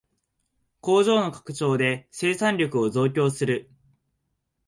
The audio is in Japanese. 工場の拡張で生産力を増強する